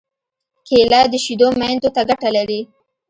کېله د شېدو میندو ته ګټه لري.